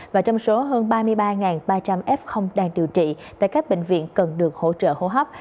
và trong số hơn ba mươi ba ba trăm linh f đang điều trị tại các bệnh viện cần được hỗ trợ hô hấp